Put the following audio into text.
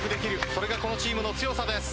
それがこのチームの強さです。